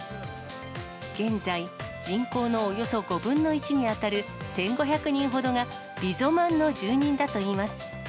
現在、人口のおよそ５分の１に当たる１５００人ほどが、リゾマンの住人だといいます。